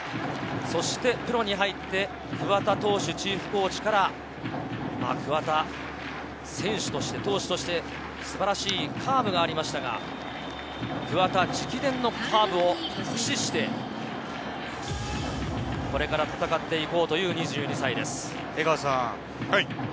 プロに入って桑田投手チーフコーチから、桑田選手、投手として素晴らしいカーブがありましたが、桑田直伝のカーブを駆使してこれから戦って行こうという２２歳です。